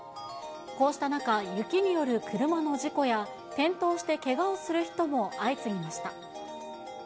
こうした中、雪による車の事故や転倒してけがをする人も相次ぎました。